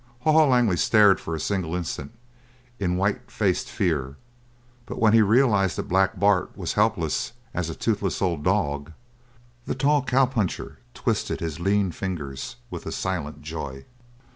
Haw Haw Langley stared for a single instant in white faced fear, but when he realised that Black Bart was helpless as a toothless old dog, the tall cowpuncher, twisted his lean fingers with a silent joy.